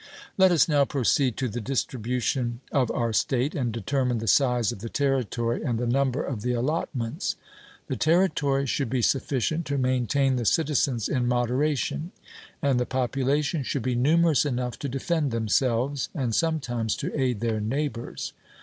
Let us now proceed to the distribution of our state, and determine the size of the territory and the number of the allotments. The territory should be sufficient to maintain the citizens in moderation, and the population should be numerous enough to defend themselves, and sometimes to aid their neighbours.